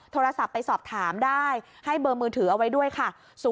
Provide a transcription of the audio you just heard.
โทรศัพท์ไปสอบถามได้ให้เบอร์มือถือเอาไว้ด้วยค่ะ